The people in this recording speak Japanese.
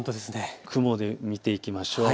雲で見ていきましょう。